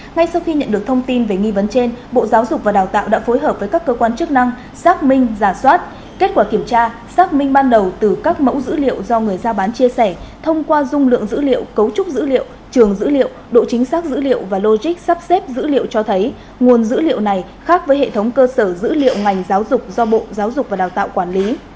ngay sau khi nhận được thông tin về nghi vấn trên bộ giáo dục và đào tạo đã phối hợp với các cơ quan chức năng giác minh giả soát kết quả kiểm tra giác minh ban đầu từ các mẫu dữ liệu do người giao bán chia sẻ thông qua dung lượng dữ liệu cấu trúc dữ liệu trường dữ liệu độ chính xác dữ liệu và logic sắp xếp dữ liệu cho thấy nguồn dữ liệu này khác với hệ thống cơ sở dữ liệu ngành giáo dục do bộ giáo dục và đào tạo quản lý